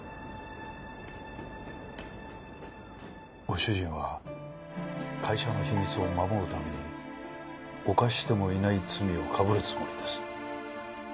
ご主人は会社の秘密を守るために犯してもいない罪をかぶるつもりです。